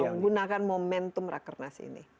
menggunakan momentum raker nas ini